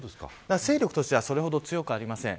勢力としてそれほど強くありません。